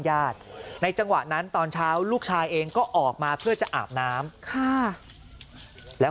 ในจังหวะนั้นตอนเช้าลูกชายเองก็ออกมาเพื่อจะอาบน้ำค่ะแล้ว